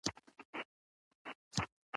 ما وویل چې زه سنباد یم.